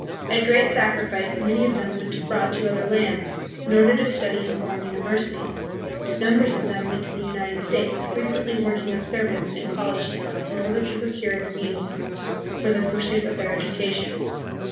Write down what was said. At great sacrifice many of them went abroad to other lands, in order to study hi foreign uni versities. Numbers of them went to the United States, frequently working as servants in college towns in order to procure the means for the pursuit of their education.